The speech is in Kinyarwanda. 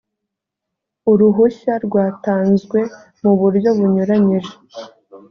uruhushya rwatanzwe mu buryo bunyuranyije